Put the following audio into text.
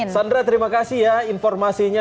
sandra terima kasih ya informasinya